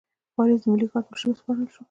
پاریس د ملي ګارډ مشري وسپارل شوه.